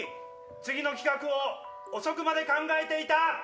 次の企画を遅くまで考えていた。